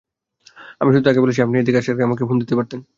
আমি শুধু তাঁকে বলেছি, আপনি এদিকে আসার আগে আমাকে ফোন দিতে পারতেন।